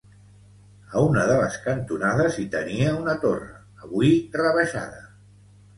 A una de les cantonades hi tenia una torre, avui rebaixada.